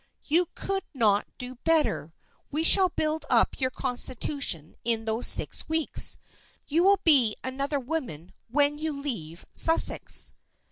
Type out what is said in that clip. "You could not do better. We shall build up your constitution in those six weeks. You will be another woman when you leave Sussex."